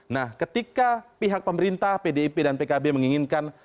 nah ketika pihak pemerintah pdip dan pkb menginginkan